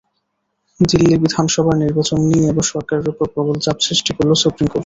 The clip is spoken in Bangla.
দিল্লি বিধানসভার নির্বাচন নিয়ে এবার সরকারের ওপর প্রবল চাপ সৃষ্টি করল সুপ্রিম কোর্ট।